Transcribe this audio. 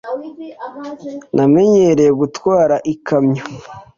Namenyereye gutwara ikamyo.